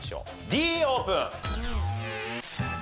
Ｄオープン。